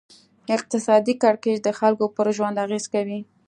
اقتصادي کړکېچ د خلکو پر ژوند اغېز کوي.